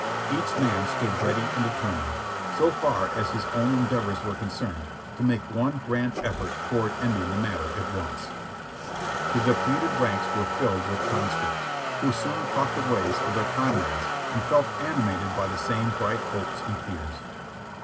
Each man stood readv and determined, A UTTLE REPOSE 519 SO far as his own endeavors were concerned, to make one grand effort toward ending the matter at once. The depleted ranks were filled with conscripts, who soon caught the ways of their comrades and felt animated by the same bright hopes and fears.